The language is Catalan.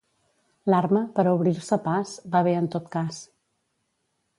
L'arma, per a obrir-se pas, va bé en tot cas.